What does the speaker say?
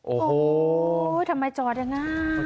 โอ้โหทำไมจอดยังง่าย